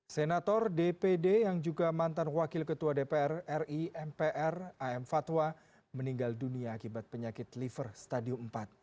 senator dpd yang juga mantan wakil ketua dpr ri mpr am fatwa meninggal dunia akibat penyakit liver stadium empat